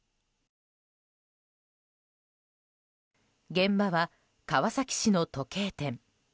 現場は川崎市の時計店。